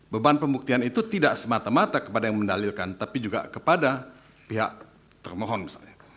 beban pembuktian itu tidak semata mata kepada yang mendalilkan tapi juga kepada pihak termohon misalnya